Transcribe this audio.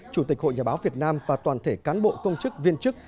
chủ tịch hội nhà báo việt nam và toàn thể cán bộ công chức viên chức